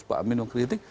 pak amin mau kritik